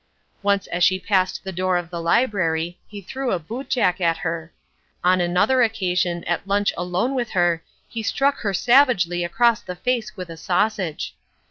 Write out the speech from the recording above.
Once as she passed the door of the library he threw a bootjack at her. On another occasion at lunch alone with her he struck her savagely across the face with a sausage.